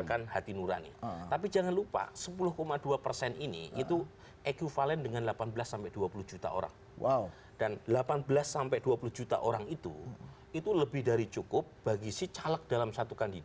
kepala kepala kepala